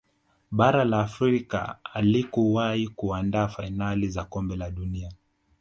bara la Afrika halikuwahi kuandaa fainali za kombe la dunia